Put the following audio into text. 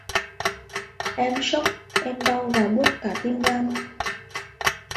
em sốc em đau và đau buốt cả tim gan